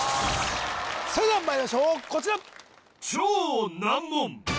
それではまいりましょうこちら